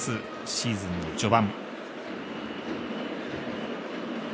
シーズンの序盤。